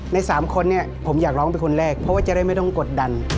ใน๓คนเนี่ยผมอยากร้องเป็นคนแรกเพราะว่าจะได้ไม่ต้องกดดัน